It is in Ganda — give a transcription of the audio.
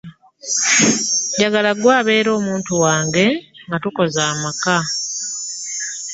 Njagala gwe abeera omuntu wange nga tukoze amaka.